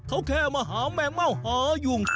เขาแค่มาหาแม่เม่าหายุง